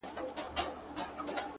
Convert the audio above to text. دا له هغه مرورو مرور دی-